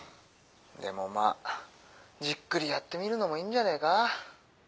でもまあじっくりやってみるのもいいんじゃねえか。